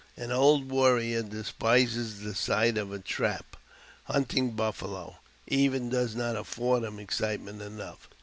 An old warrior despises the sight of a trap ; hunting buffalo, even, does not afford him excitement enough.